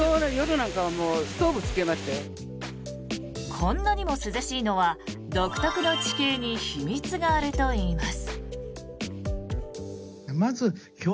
こんなにも涼しいのは独特の地形に秘密があるといいます。